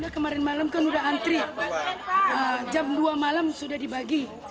kemarin malam kan sudah antri jam dua malam sudah dibagi